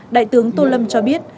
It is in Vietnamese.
đại tướng tô lâm cho biết